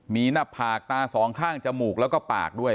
มีหน้าผากตาสองข้างจมูกแล้วก็ปากด้วย